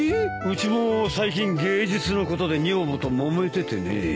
うちも最近芸術のことで女房ともめててねえ。